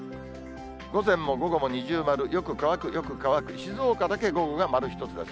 午前も午後も二重丸、よく乾く、よく乾く、静岡だけ午後が丸１つです。